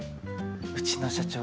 うちの社長